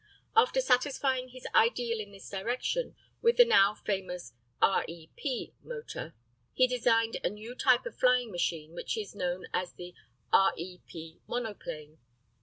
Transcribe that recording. After satisfying his ideal in this direction with the now famous "R E P" motor, he designed a new type of flying machine which is known as the "R E P monoplane."